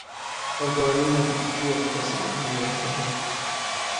اور قوانین اپنے فطری ارتقا سے محروم رہتے ہیں